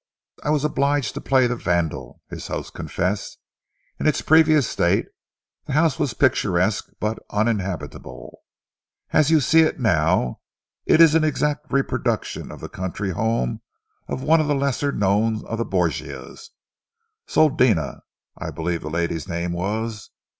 "I was obliged to play the vandal," his host confessed. "In its previous state, the house was picturesque but uninhabitable. As you see it now, it is an exact reproduction of the country home of one of the lesser known of the Borgias Sodina, I believe the lady's name was.